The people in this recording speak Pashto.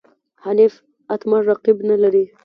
حنیف اتمر رقیب نه لري.